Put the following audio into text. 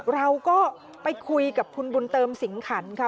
เราก็ไปคุยกับคุณบุญเติมสิงขันค่ะ